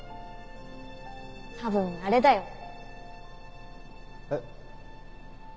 多分あれだよ。えっ？